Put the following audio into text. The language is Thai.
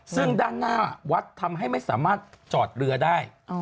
ซึ่งด้านหน้าวัดทำให้ไม่สามารถจอดเรือได้